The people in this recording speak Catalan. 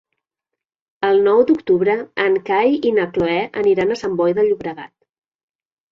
El nou d'octubre en Cai i na Cloè aniran a Sant Boi de Llobregat.